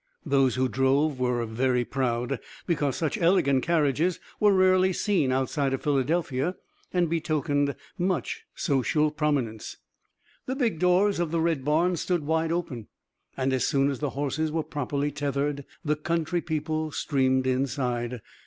Those who drove were very proud, because such elegant carriages were rarely seen outside of Philadelphia, and betokened much social prominence. The big doors of the red barn stood wide open, and as soon as the horses were properly tethered the country people streamed inside.